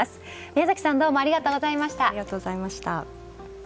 宮崎さんどうもありがとうございました。